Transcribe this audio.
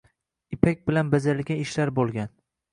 Ipak bilan bajarilgan ishlar bo’lgan.